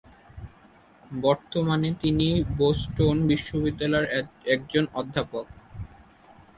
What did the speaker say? বর্তমানে তিনি বোস্টন বিশ্ববিদ্যালয়ের একজন অধ্যাপক।